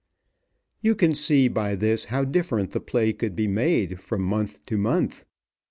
You can see by this how different the play could be made from month to month.